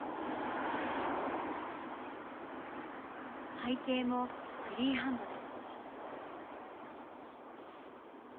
背景もフリーハンドで。